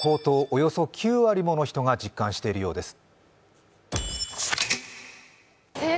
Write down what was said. およそ９割もの人が実感しているようです。